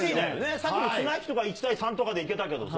さっきの綱引きとか１対３とかでいけたけどさ。